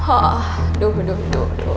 aduh aduh aduh